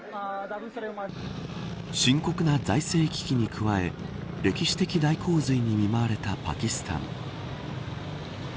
深刻な財政危機に加え歴史的大洪水に見舞われたパキスタン。